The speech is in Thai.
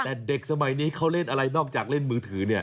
แต่เด็กสมัยนี้เขาเล่นอะไรนอกจากเล่นมือถือเนี่ย